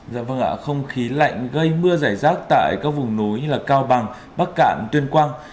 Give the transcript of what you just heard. dạ vâng ạ không khí lạnh gây mưa giải rác tại các vùng núi như cao bằng bắc cạn tuyên quang